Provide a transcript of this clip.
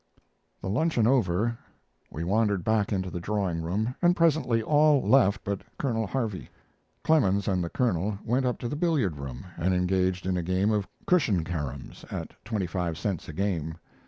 The luncheon over, we wandered back into the drawing room, and presently all left but Colonel Harvey. Clemens and the Colonel went up to the billiard room and engaged in a game of cushion caroms, at twenty five cents a game.